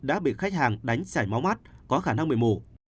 đã bị khách hàng đánh xảy máu mắt có khả năng mệt mủ